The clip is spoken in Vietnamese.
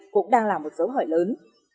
cũng đang là một dấu hỏi lớn